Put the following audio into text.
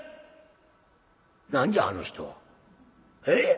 「何じゃあの人は。えっ？